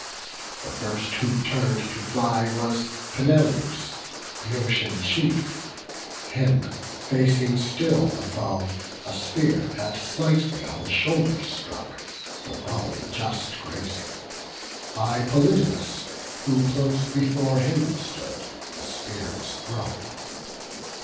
The first who turn'd to fly was Peneleus, Bœotian chief; him, facing still the foe, A spear had slightly on the shoulder struck, The bone just grazing: by Polydamas, Who close before him stood, the spear was thrown.